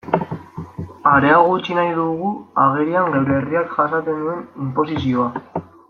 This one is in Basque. Areago utzi nahi dugu agerian geure herriak jasaten duen inposizioa.